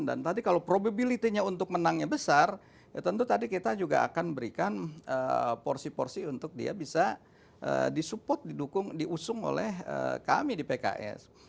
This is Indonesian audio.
dan tadi kalau probabilitenya untuk menangnya besar ya tentu tadi kita juga akan berikan porsi porsi untuk dia bisa di support di dukung diusung oleh kami di pks